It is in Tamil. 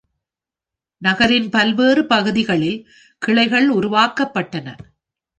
நகரின் பல்வேறு பகுதிகளில் கிளைகள் உருவாக்கப்பட்டன.